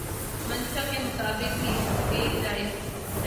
منشاء کے مطابق ہی اس کے جائزے ہوں۔